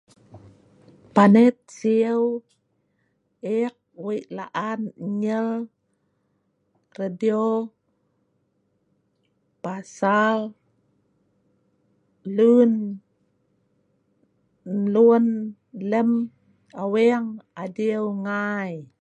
Panet siu ek wei laan nyer radio pasal lun mlun lem Aweng adiu ngai